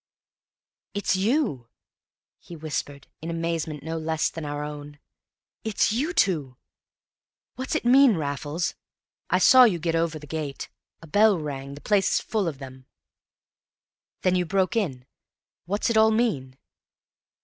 "It's you!" he whispered, in amazement no less than our own; "it's you two! What's it mean, Raffles? I saw you get over the gate; a bell rang, the place is full of them. Then you broke in. What's it all mean?"